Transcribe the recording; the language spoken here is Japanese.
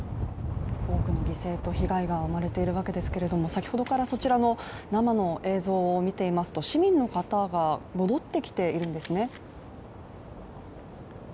多くの犠牲と被害が生まれているわけですけれども先ほどからそちらの生の映像を見ていますと市民の方が戻ってきているんですね。